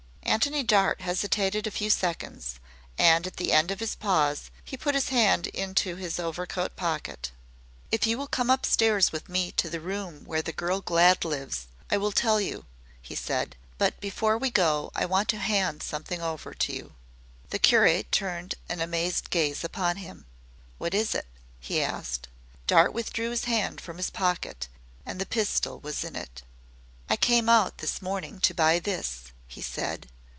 Antony Dart hesitated a few seconds, and at the end of his pause he put his hand into his overcoat pocket. "If you will come upstairs with me to the room where the girl Glad lives, I will tell you," he said, "but before we go I want to hand something over to you." The curate turned an amazed gaze upon him. "What is it?" he asked. Dart withdrew his hand from his pocket, and the pistol was in it. "I came out this morning to buy this," he said.